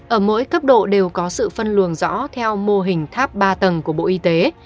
ở mỗi cấp độ đều có sự phân luồng rõ theo mô hình tháp ba tầng của bộ y tế